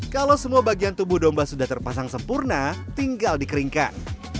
kalau semua bagian tubuh domba sudah terpasang sempurna tinggal dikeringkan